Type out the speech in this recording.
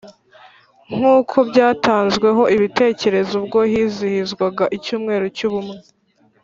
nkuko byatanzweho ibitekerezo ubwo hizihizwaga icyumweru cy ubumwe